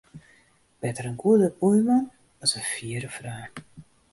Better in goede buorman as in fiere freon.